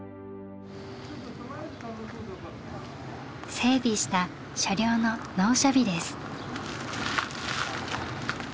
整備した車両の納車日です。